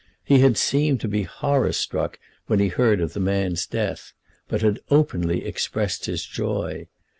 He had seemed to be horror struck when he heard of the man's death, but had openly expressed his joy.